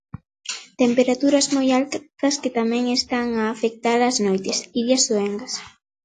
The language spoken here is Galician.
Temperaturas moi altas que tamén están a afectar as noites, Iria Soengas.